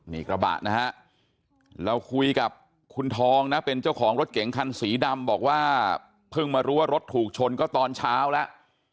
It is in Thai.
นี่กระบะนะฮะเราคุยกับคุณทองนะเป็นเจ้าของรถเก๋งคันสีดำบอกว่าเพิ่งมารู้ว่ารถถูกชนก็ตอนเช้าแล้ว